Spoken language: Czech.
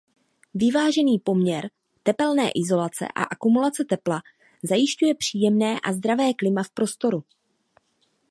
Vyvážený poměr tepelné izolace a akumulace tepla zajišťuje příjemné a zdravé klima v prostoru.